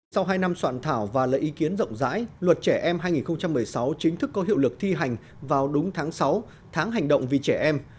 sau hai năm soạn thảo và lấy ý kiến rộng rãi luật trẻ em hai nghìn một mươi sáu chính thức có hiệu lực thi hành vào đúng tháng sáu tháng hành động vì trẻ em